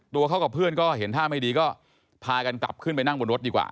ตัวเขากับเพื่อนก็เห็นท่าไม่ดีก็พากันกลับขึ้นไปนั่งบนรถดีกว่า